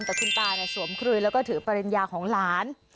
แต่คุณตาเนี่ยสวมครุยแล้วก็ถือประเด็นยาของหลาน